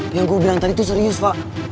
yang gua bilang tadi tuh serius fak